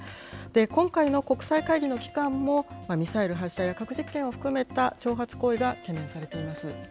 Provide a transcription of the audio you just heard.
今回の国際会議の期間も、ミサイル発射や核実験を含めた挑発行為が懸念されています。